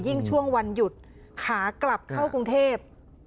ช่วงวันหยุดขากลับเข้ากรุงเทพ